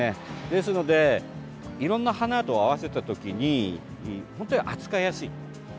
ですので、いろんな花と合わせた時に本当に扱いやすい。